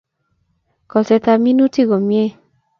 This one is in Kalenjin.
Kolset ab minutik komye